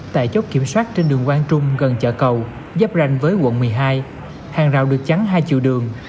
tại chốt kiểm soát trên đường quang trung gần chợ cầu giáp ranh với quận một mươi hai hàng rào được chắn hai chiều đường